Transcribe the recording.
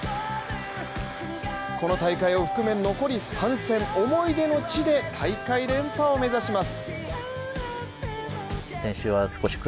この大会を含め残り３戦、思い出の地で大会連覇を目指します。